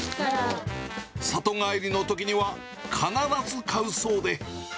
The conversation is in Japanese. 里帰りのときには必ず買うそうで。